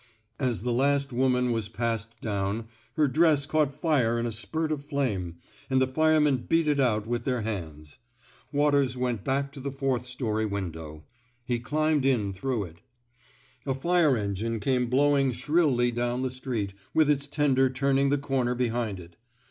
As the last woman was passed down, her dress caught fire in a spurt of flame, and the firemen beat it out with their hands. Waters went back to the fourth story window. He climbed in through it. 187 f THE SMOKE EATERS A fire engine came blowing shrilly down the street, with its tender turning the corner behind it.